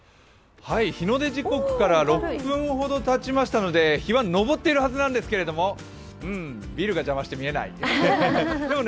日の出時刻から６分ほどたちましたので日は昇っているはずなんですけど、ビルが邪魔して見えないですね。